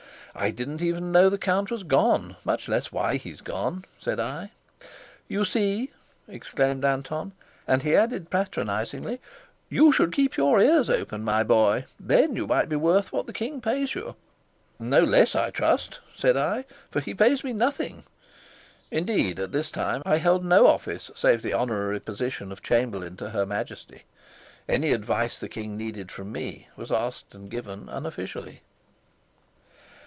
"I didn't even know that the count was gone, much less why he's gone," said I. "You see?" exclaimed Anton. And he added, patronizingly, "You should keep your ears open, my boy; then you might be worth what the king pays you." "No less, I trust," said I, "for he pays me nothing." Indeed, at this time I held no office save the honorary position of chamberlain to Her Majesty. Any advice the king needed from me was asked and given unofficially.